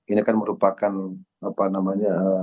ini kan merupakan apa namanya